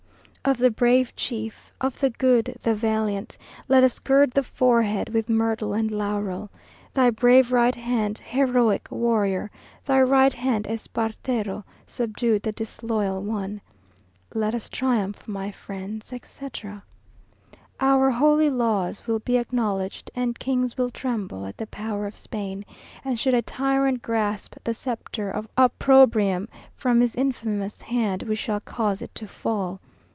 Of the brave chief, Of the good, the valiant, Let us gird the forehead With myrtle and laurel. Thy brave right hand, Heroic warrior, Thy right hand, Espartero, Subdued the disloyal one. Let us triumph, my friends, etc. Our holy laws Will be acknowledged, And kings will tremble At the power of Spain; And should a tyrant grasp The sceptre of opprobrium, From his infamous hand We shall cause it to fall.